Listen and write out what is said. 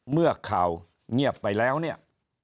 เมื่อข่าวเงียบไปแล้วเนี่ย